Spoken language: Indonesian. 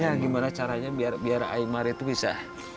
ya gimana caranya biar imar itu bisa